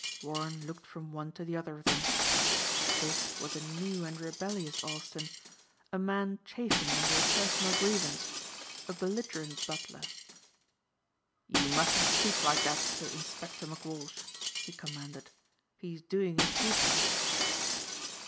Warren looked from one to the other of them. This was a new and rebellious Austin, a man chafing under a personal grievance, a belligerent butler. "You mustn't speak like that to Inspector McWalsh," he commanded. "He is doing his duty."